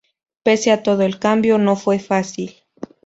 Pese a todo el cambio no fue fácil.